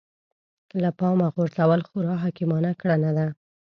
له پامه غورځول خورا حکيمانه کړنه ده.